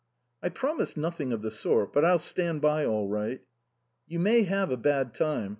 " I promised nothing of the sort, but I'll stand by all right." " You may have a bad time.